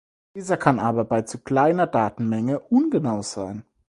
Dieser kann aber bei zu kleiner Datenmenge ungenau sein.